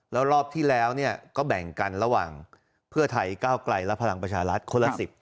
แล้วรอบที่แล้วก็แบ่งกันระหว่างเพื่อไทยก้าวไกลและพลังประชารัฐคนละ๑๐